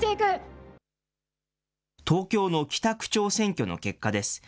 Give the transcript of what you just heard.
東京の北区長選挙の結果です。